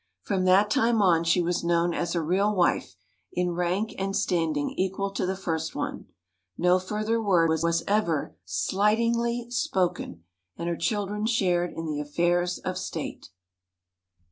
From that time on she was known as a real wife, in rank and standing equal to the first one. No further word was ever slightingly spoken, and her children shared in the affairs of State.